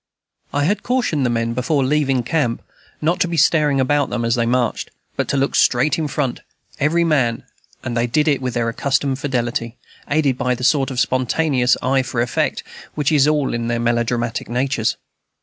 I had cautioned the men, before leaving camp, not to be staring about them as they marched, but to look straight to the front, every man; and they did it with their accustomed fidelity, aided by the sort of spontaneous eye for effect which is in all their melodramatic natures.